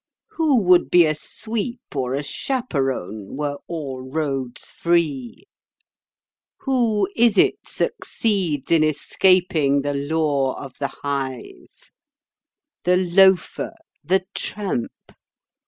Who would be a sweep or a chaperon, were all roads free? Who is it succeeds in escaping the law of the hive? The loafer, the tramp.